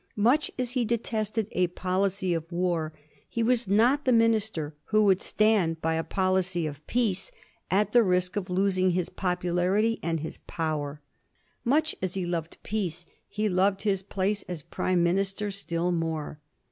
Much as he de tested a policy of war, he was not the minister who would 1788. THE PATRIOTS' WAR CRY. 149 stand by a policy of peace at the risk of losing his popular ity and his power. Much as he loved peace, he loved his place as Pnme Minister still more.